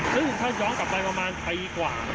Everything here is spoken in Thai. ซึ่งถ้าย้อนกลับไปประมาณปีกว่า